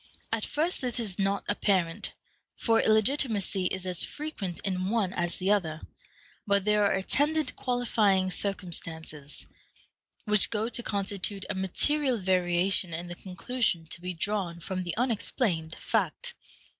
At first this is not apparent, for illegitimacy is as frequent in one as the other; but there are attendant qualifying circumstances, which go to constitute a material variation in the conclusion to be drawn from the unexplained fact.